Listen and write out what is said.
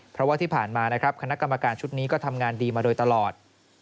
เพราะว่าที่ผ่านมานะครับคณะกรรมการชุดนี้ก็ทำงานดีมาโดยตลอด